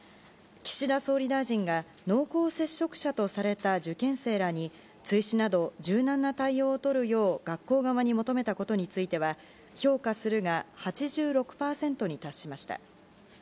岸田総理大臣が濃厚接触者とされた受験生らに追試など柔軟な対応をとるよう学校側に求めたことについては評価するが８６％に達しました。